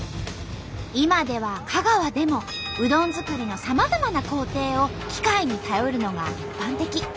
今では香川でもうどん作りのさまざまな工程を機械に頼るのが一般的。